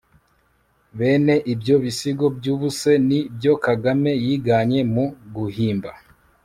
bene ibyo bisigo by'ubuse ni byo kagame yiganye mu guhimba